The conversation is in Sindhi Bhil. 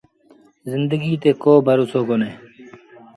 زندڪيٚ تي ڪو ڀروسو ڪونهي۔